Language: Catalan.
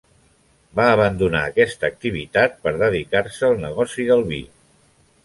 Va abandonar aquesta activitat per dedicar-se al negoci del vi.